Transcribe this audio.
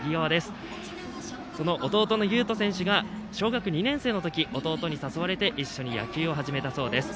その弟のゆうとさんが小学２年生の時弟に誘われて一緒に野球を始めたそうです。